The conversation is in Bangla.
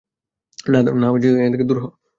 না, দূর হ।